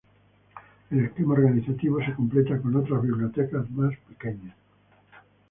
El esquema organizativo se completa con otras bibliotecas más pequeñas.